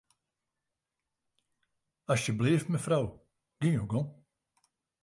Asjebleaft mefrou, gean jo gong.